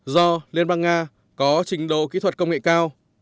do liên bang nga có trình độ kỹ thuật công nghệ cao